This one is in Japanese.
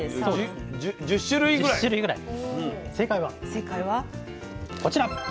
正解はこちら。